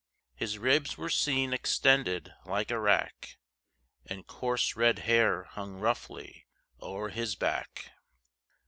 His ribs were seen extended like a rack, And coarse red hair hung roughly o'er his back.